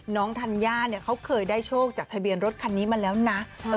ธัญญาเนี่ยเขาเคยได้โชคจากทะเบียนรถคันนี้มาแล้วนะ